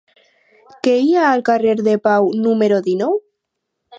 Què hi ha al carrer de Pau número dinou?